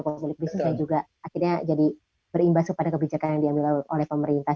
jadi kemudian bisa juga akhirnya jadi berimbas kepada kebijakan yang diambil oleh pemerintah